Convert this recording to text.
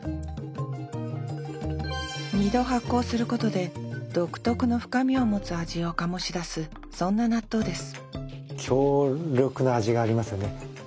２度発酵することで独特の深みを持つ味を醸し出すそんな納豆です